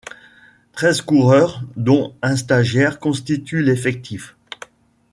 Treize coureurs, dont un stagiaire, constituent l'effectif.